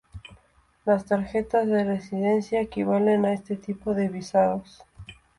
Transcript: Las tarjetas de residencia equivalen a este tipo de visados.